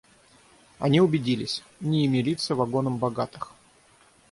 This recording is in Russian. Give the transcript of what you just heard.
Они убедились — не ими литься вагонам богатых.